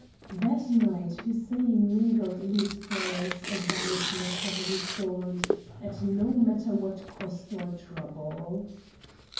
That night Hussein mingled in his prayers a vow to recover his gold at no matter what cost or trouble.